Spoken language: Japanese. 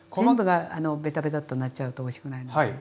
全部がベタベタッとなっちゃうとおいしくないので。